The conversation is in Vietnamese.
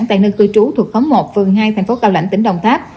tại nơi cư trú thuộc khóm một phường hai thành phố cao lãnh tỉnh đồng tháp